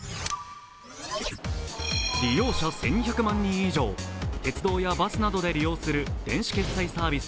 利用者１２００万人以上、鉄道やバスなどで利用する電子決裁サービス